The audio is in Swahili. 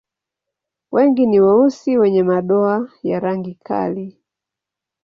Wengi ni weusi wenye madoa ya rangi kali.